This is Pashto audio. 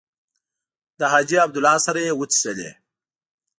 له حاجي عبدالله سره یې وڅښلې.